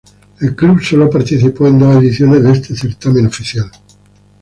El club solo participó en dos ediciones de este certamen oficial.